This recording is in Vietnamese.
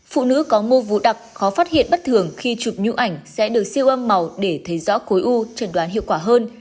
phụ nữ có mô vũ đặc khó phát hiện bất thường khi chụp nhu ảnh sẽ được siêu âm màu để thấy rõ khối u trần đoán hiệu quả hơn